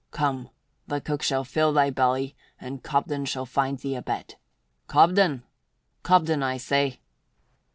"Come, the cook shall fill thy belly and Cobden shall find thee a bed. Cobden! Cobden, I say!"